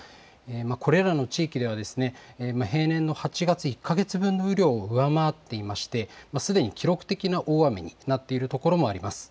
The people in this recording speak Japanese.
これらの地域では、平年の８月１か月分の雨量を上回っていまして、すでに記録的な大雨になっている所もあります。